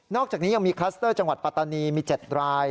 อกจากนี้ยังมีคลัสเตอร์จังหวัดปัตตานีมี๗ราย